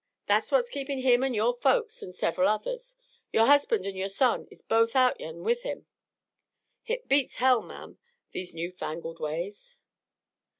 That's what's keepin' him an' yore folks an' sever'l others. Yore husband an' yore son is both out yan with him. Hit beats hell, ma'am, these new fangled ways!"